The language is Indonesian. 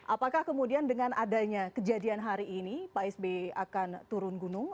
apakah kemudian dengan adanya kejadian hari ini pak sby akan turun gunung